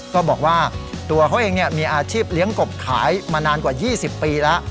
ก็บอกว่าตัวเขาเองเนี้ยมีอาชีพเลี้ยงกบขายมานานกว่ายี่สิบปีละ